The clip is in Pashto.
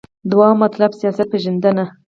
دوهم مطلب : سیاست پیژندنه